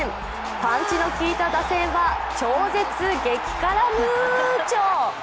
パンチの効いた打線は超絶激辛ムーチョ。